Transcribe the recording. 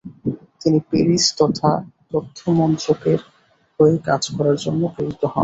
তিনি প্যারিসে তথ্য মন্ত্রকের হয়ে কাজ করার জন্য প্রেরিত হন।